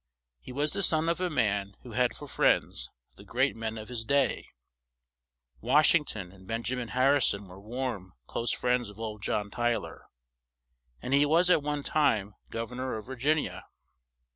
He was the son of a man who had for friends the great men of his day; Wash ing ton and Ben ja min Har ri son were warm, close friends of old John Ty ler; and he was at one time Gov ern or of Vir gin i a.